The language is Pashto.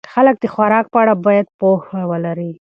خلک د خوراک په اړه باید پوهه ولري.